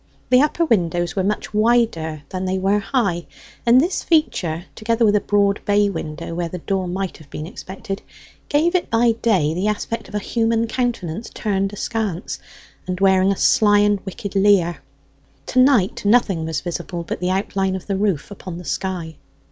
The upper windows were much wider than they were high, and this feature, together with a broad bay window where the door might have been expected, gave it by day the aspect of a human countenance turned askance, and wearing a sly and wicked leer. To night nothing was visible but the outline of the roof upon the sky.